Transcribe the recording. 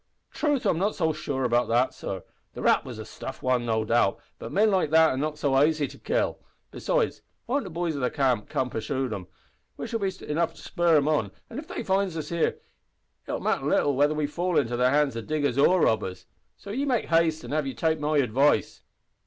"Troth, I'm not so sure o' that, sor. The rap was a stiff wan, no doubt, but men like that are not aisy to kill. Besides, won't the boys o' the camp purshoo them, which'll be spur enough, an' if they finds us here, it'll matter little whether we fall into the hands o' diggers or robbers. So ye'll make haste av ye take my advice."